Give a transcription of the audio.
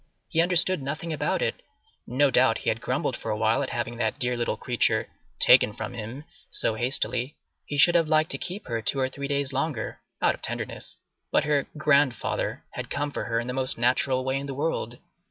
He understood nothing about it; no doubt he had grumbled for awhile at having that dear little creature "taken from him" so hastily; he should have liked to keep her two or three days longer, out of tenderness; but her "grandfather" had come for her in the most natural way in the world.